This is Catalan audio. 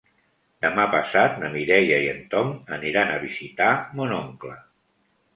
Demà passat na Mireia i en Tom aniran a visitar mon oncle.